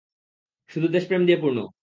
শুধু দেশপ্রেম দিয়ে পূর্ণ।